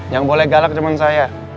jangan boleh galak cuman saya